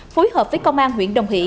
phối hợp với công an huyện đồng hỷ